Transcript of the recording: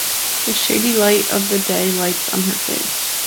The shady light of the day lights on her face.